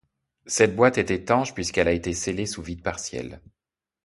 Cette boîte est étanche puisqu'elle a été scellée sous vide partiel.